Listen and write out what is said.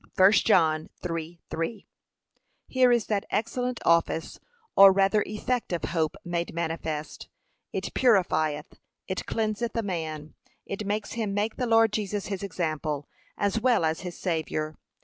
(1 John 3:3) Here is that excellent office, or rather effect of hope made manifest, it purifieth, it cleanseth a man; it makes him make the Lord Jesus his example, as well as his Saviour.